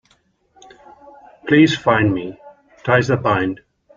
Please fine me, Ties That Bind.